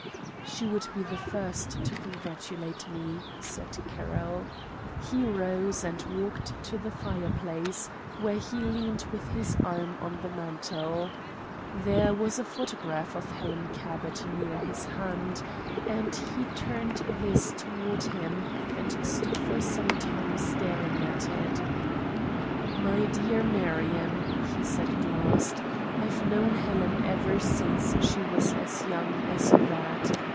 "She would be the first to congratulate me," said Carroll. He rose and walked to the fireplace, where he leaned with his arm on the mantel. There was a photograph of Helen Cabot near his hand, and he turned this toward him and stood for some time staring at it. "My dear Marion," he said at last, "I've known Helen ever since she was as young as that.